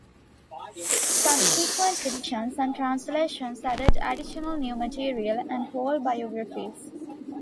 Subsequent editions and translations added additional new material and whole biographies.